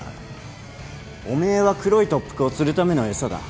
おめえは黒い特服を釣るための餌だ。